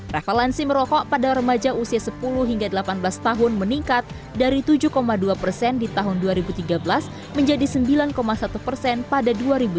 revalensi merokok pada remaja usia sepuluh hingga delapan belas tahun meningkat dari tujuh dua persen di tahun dua ribu tiga belas menjadi sembilan satu persen pada dua ribu delapan belas